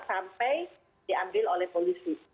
sampai diambil oleh polisi